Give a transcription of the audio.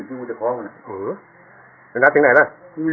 ตายข้าวไว้ข้างไหนเนี่ย